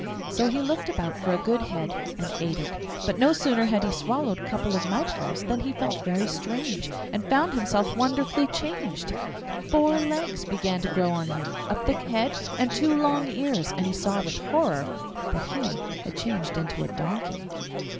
So he looked about for a good head and ate it, but no sooner had he swallowed a couple of mouthfuls than he felt very strange, and found himself wonderfully changed. Four legs began to grow on him, a thick head, and two long ears, and he saw with horror that he had changed into a donkey.